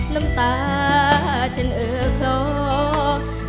น้ำตาฉันเออเพราะ